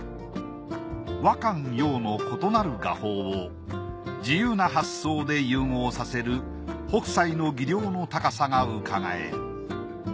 和漢洋の異なる画法を自由な発想で融合させる北斎の技量の高さがうかがえる。